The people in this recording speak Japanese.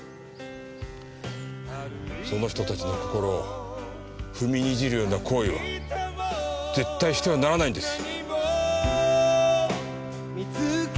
その人たちの心を踏みにじるような行為は絶対してはならないんです。